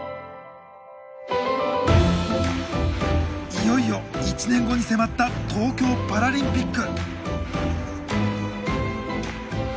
いよいよ１年後に迫った東京パラリンピック。